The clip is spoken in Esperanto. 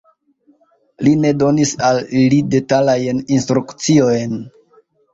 Li ne donis al ili detalajn instrukciojn.